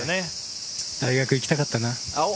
大学行きたかったな。